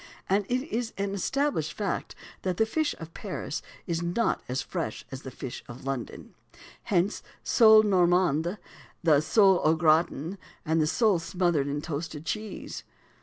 And it is an established fact that the fish of Paris is not as fresh as the fish of London. Hence the sole Normande, the sole au gratin, and the sole smothered in toasted cheese.